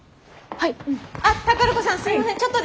はい。